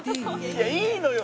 「いやいいのよ